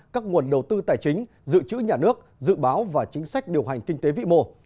các nguồn đầu tư tài chính dự trữ nhà nước dự báo và chính sách điều hành kinh tế vĩ mô